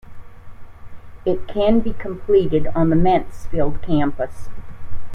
It can be completed on the Mansfield Campus.